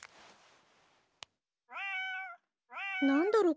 何だろう？